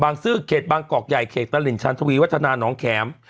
บางซื้อเกรกบางกอกใหญ่เกรกตะลินชันทวีวัฒนาน้องแข็ม